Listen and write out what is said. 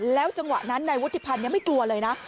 จังหวะนั้นนายวุฒิพันธ์ไม่กลัวเลยนะ